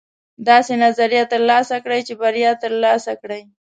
داسې نظریې ترلاسه کړئ چې بریا ترلاسه کړئ.